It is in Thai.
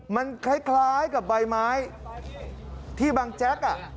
มันคล้ายกับใบไม้ที่บางแจ๊กอ่ะ